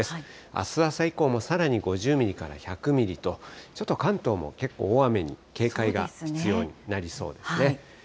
あす朝以降もさらに５０ミリから１００ミリと、ちょっと関東も結構、大雨に警戒が必要になりそうですね。